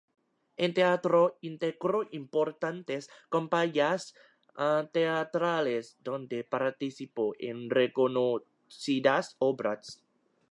En teatro integró importantes compañías teatrales donde participó en reconocidas obras.